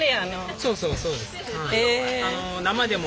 そうそうそうです。